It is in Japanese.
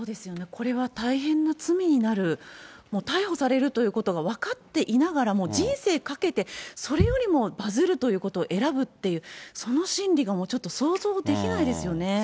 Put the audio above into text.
これは大変な罪になる、逮捕されるということが分かっていながらも、人生かけて、それよりもバズるということを選ぶっていう、その心理がもうちょっと想像できないですよね。